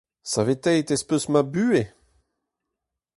Saveteet ez peus ma buhez !